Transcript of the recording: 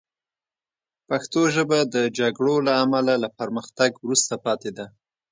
پښتو ژبه د جګړو له امله له پرمختګ وروسته پاتې ده